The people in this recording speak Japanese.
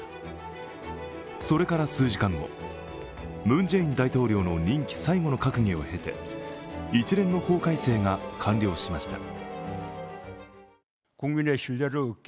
それから数時間後、ムン・ジェイン大統領の任期最後の閣議を経て一連の法改正が完了しました。